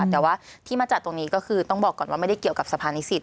แต่ว่าที่มาจัดตรงนี้ก็คือต้องบอกก่อนว่าไม่ได้เกี่ยวกับสภานิสิต